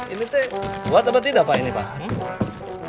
ini teh buat apa tidak pak